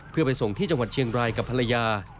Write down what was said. เพื่อไปส่งที่จังหวัดเชียงรายกับภรรยา